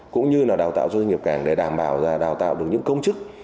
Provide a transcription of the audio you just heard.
cũng như là đào tạo cho doanh nghiệp cảng để đảm bảo là đào tạo được những công chức